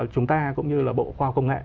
chúng ta cũng như là bộ khoa công nghệ